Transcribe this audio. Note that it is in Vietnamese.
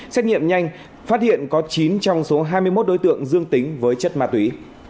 xét nghiệm nhanh phát hiện có chín trong số hai mươi một đối tượng dương tính với chất ma túy